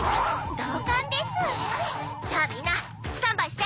「同感ですぅ」「じゃあみんなスタンバイして！」